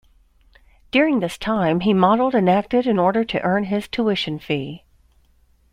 During this time, he modelled and acted in order to earn his tuition fee.